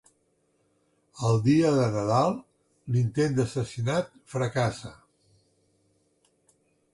El dia de Nadal, l'intent d'assassinat fracassa.